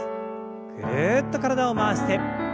ぐるっと体を回して。